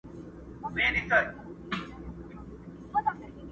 o د پخلا دښمنه ځان ساته!